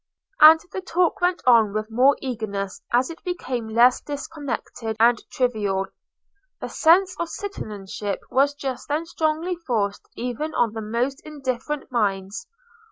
And the talk went on with more eagerness as it became less disconnected and trivial. The sense of citizenship was just then strongly forced even on the most indifferent minds.